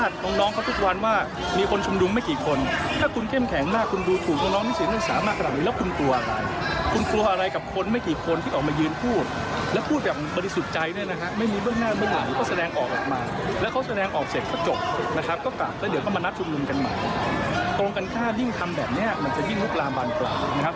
ต้องมานัดชุมนุมกันใหม่ตรงกันค่ายิ่งทำแบบนี้มันจะยิ่งลูกลาบันกล่าว